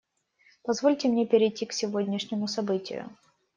Позвольте мне перейти к сегодняшнему событию.